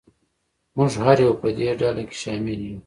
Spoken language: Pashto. موږ هر یو په دې ډله کې شامل یو.